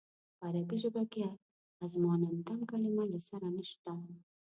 په عربي ژبه کې اظماننتم کلمه له سره نشته.